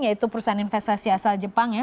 yaitu perusahaan investasi asal jepang ya